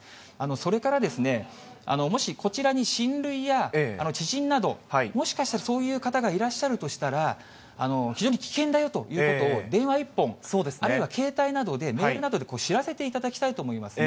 それから、もしこちらに親類や知人など、もしかしたらそういう方がいらっしゃるとしたら、非常に危険だよということを、電話一本、あるいは携帯などで、メールなどで知らせていただきたいと思いますね。